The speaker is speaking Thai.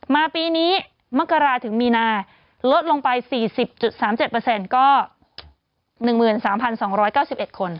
ปีนี้มกราถึงมีนาลดลงไป๔๐๓๗ก็๑๓๒๙๑คน